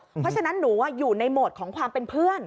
เพราะฉะนั้นหนูอยู่ในโหมดของความเป็นเพื่อน